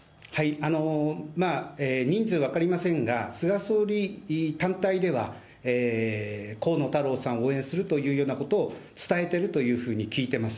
人数分かりませんが、菅総理単体では、河野太郎さんを応援するというようなことを伝えてるというふうに聞いてます。